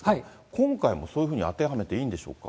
今回もそういうふうに当てはめていいんでしょうか。